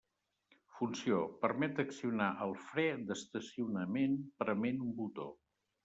Funció: permet accionar el fre d'estacionament prement un botó.